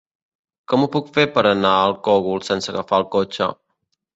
Com ho puc fer per anar al Cogul sense agafar el cotxe?